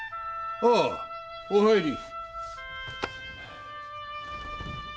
ああお入り。